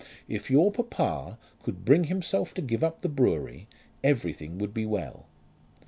If your papa could bring himself to give up the brewery, everything would be well."